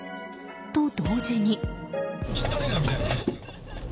と、同時に。